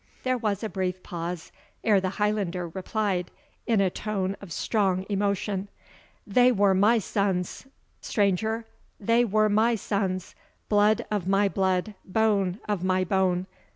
There was a brief pause ere the Highlander replied, in a tone of strong emotion, "They were my sons, stranger they were my sons! blood of my blood bone of my bone!